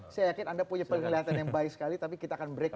saya yakin anda punya penglihatan yang baik sekali tapi kita akan break